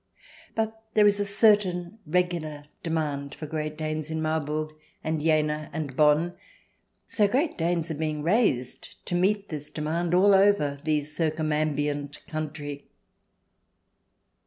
But there is a certain regular demand for Great Danes in Marburg and Jena and Bonn, so Great Danes are being raised to meet this demand all over the circumambient country.